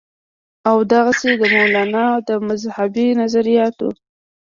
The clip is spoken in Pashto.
او دغسې د مولانا د مذهبي نظرياتو